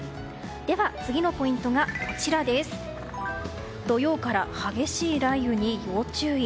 では次のポイントが土曜から激しい雷雨に要注意。